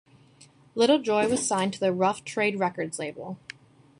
Little Joy was signed to Rough Trade Records label.